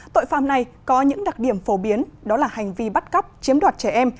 tội phạm này có những đặc điểm phổ biến đó là hành vi bắt cóc chiếm đoạt trẻ em